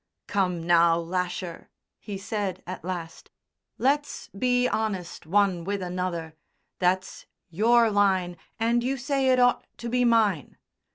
"Come now, Lasher," he said at last. "Let's be honest one with another; that's your line, and you say it ought to be mine.